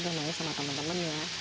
dengan main sama temen temennya